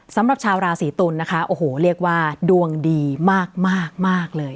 สำหรับชาวราศีตุลนะคะโอ้โหเรียกว่าดวงดีมากมากเลย